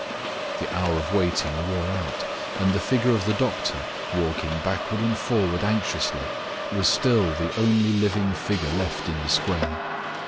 The hour of waiting wore out, and the figure of the doctor, walking backward and forward anxiously, was still the only living figure left in the square.